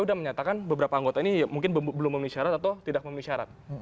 sudah menyatakan beberapa anggota ini mungkin belum memenuhi syarat atau tidak memenuhi syarat